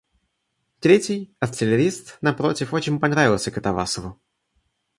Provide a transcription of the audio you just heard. Третий, артиллерист, напротив, очень понравился Катавасову.